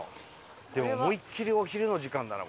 でも思いっきりお昼の時間だな。